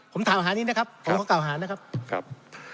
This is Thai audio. ผมถามหานี้นะครับผมขอกล่าวหานะครับ